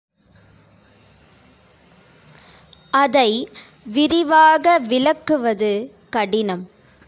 அதை விரிவாக விளக்குவது கடினம்.